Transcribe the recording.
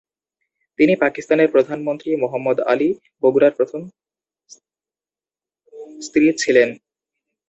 তিনি পাকিস্তানের প্রধানমন্ত্রী মোহাম্মদ আলী বগুড়ার প্রথম স্ত্রী ছিলেন।